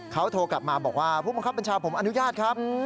เขาโทรกลับมาบอกว่าผู้บังคับบัญชาผมอนุญาตครับ